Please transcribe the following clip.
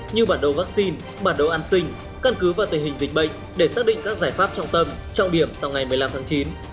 như bản đồ vaccine bản đồ an sinh căn cứ vào tình hình dịch bệnh để xác định các giải pháp trọng tâm trọng điểm sau ngày một mươi năm tháng chín